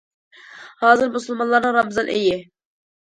ھازىر، مۇسۇلمانلارنىڭ رامىزان ئېيى.